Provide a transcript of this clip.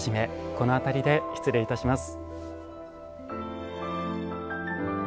この辺りで失礼いたします。